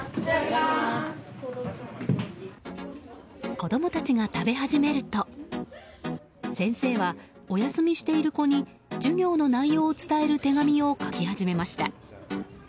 子供たちが食べ始めると先生は、お休みしている子に授業の内容を伝える手紙を書き始めました。